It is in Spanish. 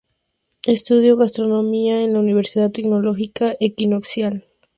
Estudió gastronomía en la Universidad Tecnológica Equinoccial.